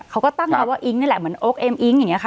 เขาก็ตั้งมาว่าอิ๊งนี่แหละเหมือนโอ๊คเอ็มอิ๊งอย่างนี้ค่ะ